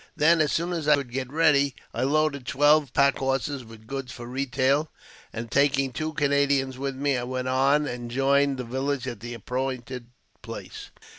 Then, as soon as I could get ready, I loaded twelve pack : horses with goods for retail, and, taking two Canadians with i me, I went on and joined the village at the appointed place.